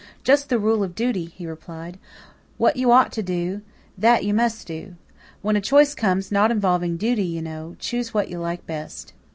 "Just the rule of duty," he replied. "What you ought to do, that you must do. Then when a choice comes, not involving duty, you know, choose what you like best."